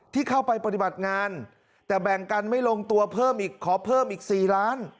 ที่เข้าไปปฏิบัติงานแต่แบ่งกันไม่ลงตัวเพิ่มอีกขอเพิ่มอีก๔ล้าน